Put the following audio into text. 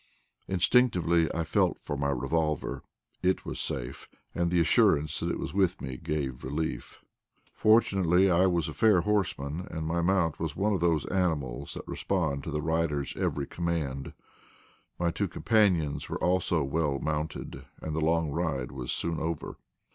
Instinctively I felt for my revolver. It was safe, and the assurance that it was with me gave relief. Fortunately, I was a fair horseman and my mount was one of those animals that respond to the rider's every command. My two companions were also well mounted, and the long ride was soon over.